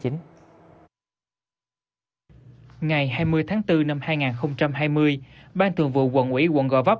ngày hai mươi tháng bốn năm hai nghìn hai mươi ban thường vụ quận ủy quận gò vấp